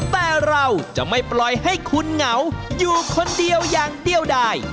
แต่เราจะไม่ปล่อยให้คุณเหงาอยู่คนเดียวอย่างเดียวได้